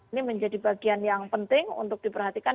ini menjadi bagian yang penting untuk diperhatikan